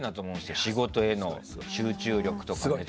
仕事への集中力とか。